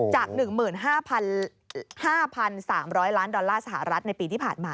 จาก๑๕๓๐๐ล้านดอลลาร์สหรัฐในปีที่ผ่านมา